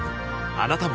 あなたも